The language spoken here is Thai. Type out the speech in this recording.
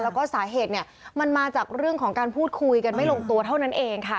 แล้วก็สาเหตุเนี่ยมันมาจากเรื่องของการพูดคุยกันไม่ลงตัวเท่านั้นเองค่ะ